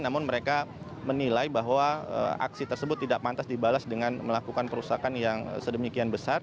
namun mereka menilai bahwa aksi tersebut tidak pantas dibalas dengan melakukan perusakan yang sedemikian besar